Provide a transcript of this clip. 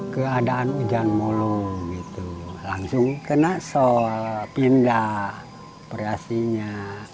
keadaan hujan mulu langsung kena sol pindah operasinya